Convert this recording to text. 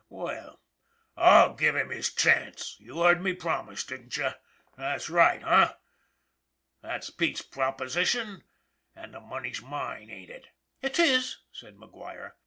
Well, /'// give him his chance, you heard me promise, didn't you? That's right, eh? That's Pete's proposition, and the money's mine, ain't it ?"" It is," said McGuire.